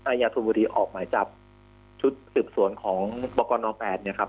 อัยธุบุรีออกมาจากชุดหศึกษวนของบน๘เนี่ยครับ